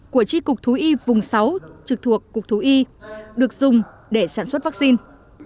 cục thú y vùng sáu trực thuộc cục thú y được dùng để sản xuất vaccine